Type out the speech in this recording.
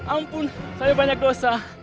ampun saya banyak dosa